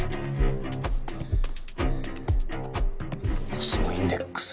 コスモインデックス。